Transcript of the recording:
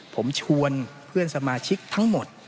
ผมชวนเพื่อนสมาชิกทั้งหมด